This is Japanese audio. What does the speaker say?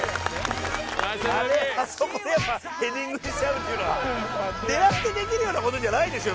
あれあそこでやっぱヘディングしちゃうっていうのは狙ってできるようなことじゃないでしょ